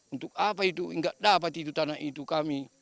untuk apa itu nggak dapat itu tanah itu kami